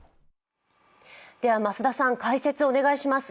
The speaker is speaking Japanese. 増田さん、解説をお願いします